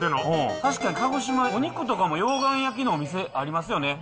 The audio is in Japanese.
確かに鹿児島、お肉とかも溶岩焼きのお店ありますよね。